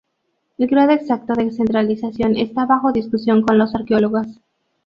El grado exacto de centralización está bajo discusión con los arqueólogos.